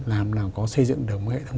làm nào có xây dựng được